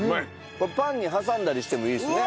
これパンに挟んだりしてもいいですね。